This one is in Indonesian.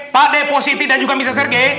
pak d positi dan juga mr sergei